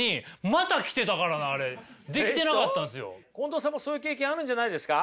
近藤さんもそういう経験あるんじゃないですか？